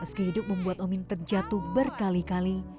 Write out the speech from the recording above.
meski hidup membuat omin terjatuh berkali kali